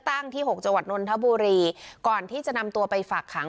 ตั้งที่หกจังหวัดนนทบุรีก่อนที่จะนำตัวไปฝากขัง